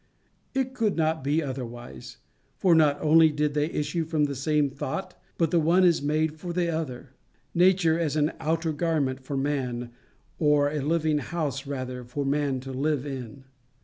It could not be otherwise. For not only did they issue from the same thought, but the one is made for the other. Nature as an outer garment for man, or a living house, rather, for man to live in.